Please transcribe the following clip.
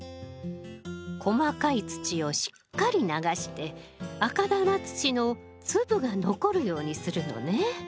細かい土をしっかり流して赤玉土の粒が残るようにするのね。